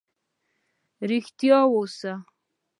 رښتينی اوسه